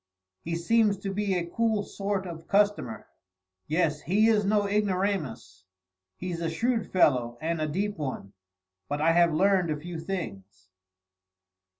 "He seems to be a cool sort of a customer." "Yes, he is no ignoramus. He's a shrewd fellow, and a deep one; but I have learned a few things."